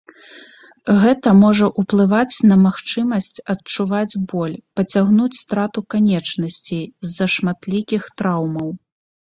Гэта можа ўплываць на магчымасць адчуваць боль, пацягнуць страту канечнасцей з-за шматлікіх траўмаў.